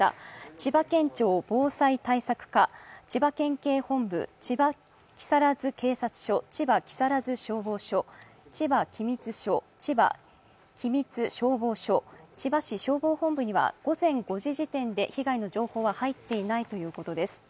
千葉県庁防災対策課、千葉県警本部、千葉木更津警察署千葉木更津消防署、千葉君津消防署千葉消防本部には被害の情報が入っていないということです。